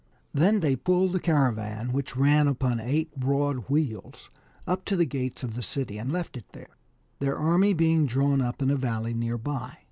Then they pulled the caravan, which ran upon eight broad wheels, up to the gates of the city, and left it there, their army being drawn up in a valley near by.